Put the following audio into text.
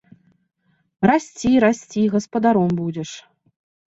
Расці, расці, гаспадаром будзеш.